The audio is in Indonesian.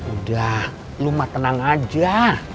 udah lu matenang aja